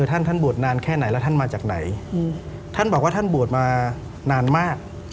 ท่านท่านบวชนานแค่ไหนแล้วท่านมาจากไหนท่านบอกว่าท่านบวชมานานมาก